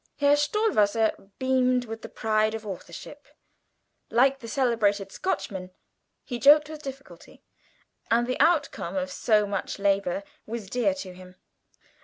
Herr Stohwasser beamed with the pride of authorship. Like the celebrated Scotchman, he "jocked wi' deeficulty," and the outcome of so much labour was dear to him.